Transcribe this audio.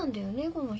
この人。